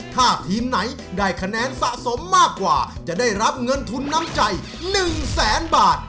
ถ้าทีมไหนได้คะแนนสะสมมากกว่าจะได้รับเงินทุนน้ำใจ๑แสนบาท